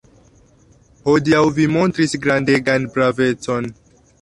Hodiaŭ vi montris grandegan bravecon.